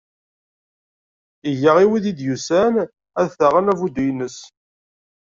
Iga i wid i d-yusan ad t-aɣen abuddu-ines.